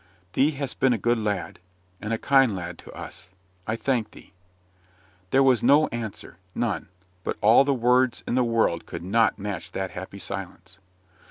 "Thee hast been a good lad, and a kind lad to us; I thank thee." There was no answer, none. But all the words in the world could not match that happy silence.